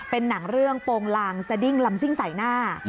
เป็นหนังเรื่องโปรงลางสดิ้งลำซิ่งใส่หน้า